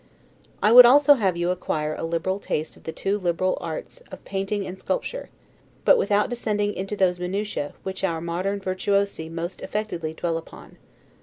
I would also have you acquire a liberal taste of the two liberal arts of painting and sculpture; but without descending into those minutia, which our modern virtuosi most affectedly dwell upon.